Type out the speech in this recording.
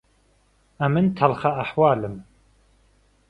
ئەمن تەڵخە ئەحوالم